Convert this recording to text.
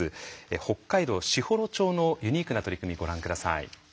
北海道士幌町のユニークな取り組みご覧下さい。